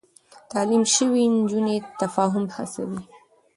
تعليم شوې نجونې تفاهم هڅوي.